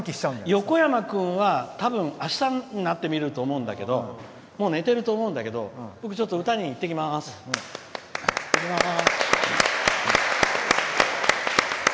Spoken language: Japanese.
横山君はあしたになって見ると思うんだけどもう寝てると思うんだけど僕はちょっと歌にいってきます。